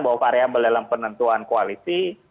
bahwa variable dalam penentuan koalisi